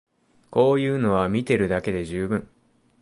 こういうのは見てるだけで充分